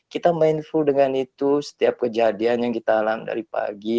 kita mindful dengan itu setiap kejadian yang kita alami dari pagi